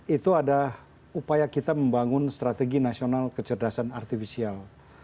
itu ada upaya kita membangun strategi nasional kecerdasan artifisial